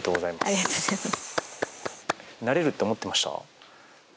ありがとうございます。